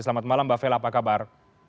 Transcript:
selamat malam mbak vela apa kabar